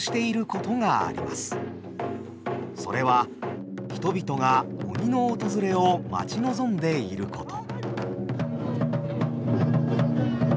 それは人々が鬼の訪れを待ち望んでいること。